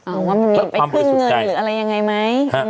เอาว่ามันมีไปขึ้นเงินหรืออะไรยังไงไหม